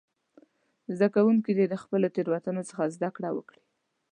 زده کوونکي د خپلو تېروتنو څخه زده کړه وکړه.